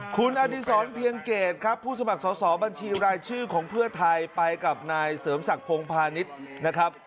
คุณอดีศรเพียงเกตครับผู้สมัครสอบบัญชีรายชื่อของเพื่อไทยไปกับนายเสริมศักดิ์พงพาณิชย์นะครับ